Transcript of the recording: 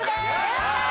やったー！